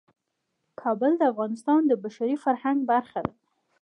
کابل د افغانستان د بشري فرهنګ برخه ده.